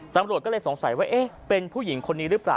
ตำรวจก็เลยสงสัยว่าเอ๊ะเป็นผู้หญิงคนนี้หรือเปล่า